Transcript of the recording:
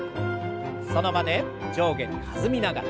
その場で上下に弾みながら。